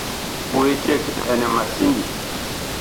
Puh eceg ɛnɛ ma sindii.